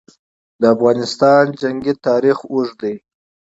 د افغانستان جنګي تاریخ اوږد دی.